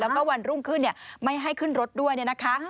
แล้วก็วันรุ่งขึ้นไม่ให้ขึ้นรถด้วยเนี่ยนะคะ